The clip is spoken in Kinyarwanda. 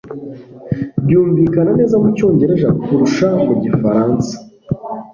byumvikana neza mucyongereza kurusha mugi faransa